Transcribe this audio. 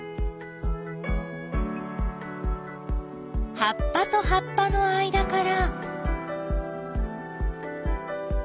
葉っぱと葉っぱの間から。